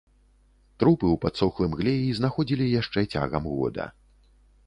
Трупы ў падсохлым глеі знаходзілі яшчэ цягам года.